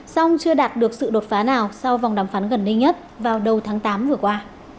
song chưa đạt được sự đột phá nào sau vòng đàm phán gần đây nhất vào đầu tháng tám vừa qua